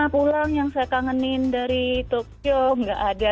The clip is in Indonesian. pulang yang saya kangenin dari tokyo nggak ada